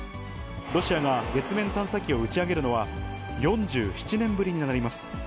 ロシアが月面探査機を打ち上げるのは、４７年ぶりになります。